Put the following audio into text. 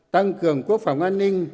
tăng cường quốc phòng an ninh